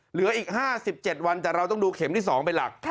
เหลืออีก๕๗วันแต่เราต้องดูเข็มที่๒เป็นหลัก